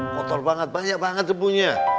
kotor banget banyak banget tepungnya